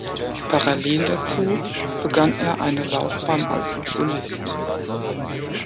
Parallel dazu begann er eine Laufbahn als Solist.